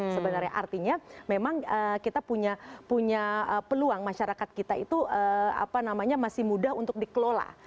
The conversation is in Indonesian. sebenarnya artinya memang kita punya peluang masyarakat kita itu masih mudah untuk dikelola